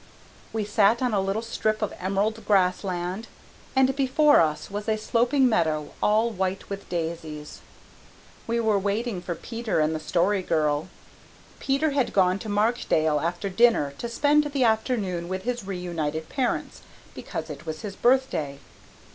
We sat on a little strip of emerald grassland and before us was a sloping meadow all white with daisies. We were waiting for Peter and the Story Girl. Peter had gone to Markdale after dinner to spend the afternoon with his reunited parents because it was his birthday.